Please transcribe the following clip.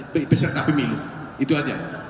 peserta pemilu itu saja